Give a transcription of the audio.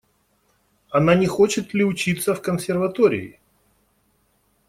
Она не хочет ли учиться в консерватории?